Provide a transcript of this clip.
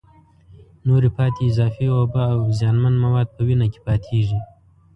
نورې پاتې اضافي اوبه او زیانمن مواد په وینه کې پاتېږي.